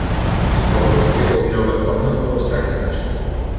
Скоро такива огньове пламнаха във всяка къща.